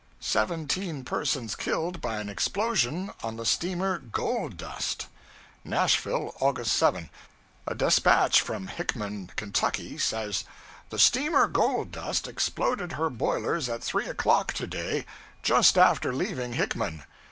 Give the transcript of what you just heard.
SEVENTEEN PERSONS KILLED BY AN EXPLOSION ON THE STEAMER 'GOLD DUST.' 'NASHVILLE, Aug. 7. A despatch from Hickman, Ky., says 'The steamer "Gold Dust" exploded her boilers at three o'clock to day, just after leaving Hickman.